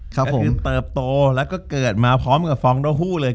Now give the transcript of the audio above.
คือเติบโตแล้วก็เกิดมาพร้อมกับฟองเต้าหู้เลย